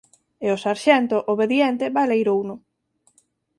E o sarxento, obediente, baleirouno.